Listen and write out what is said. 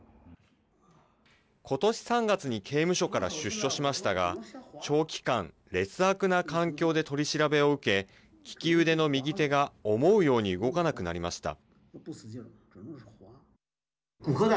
今年３月に刑務所から出所しましたが長期間、劣悪な環境で取り調べを受け、利き腕の右手が思うように動かなくなりました。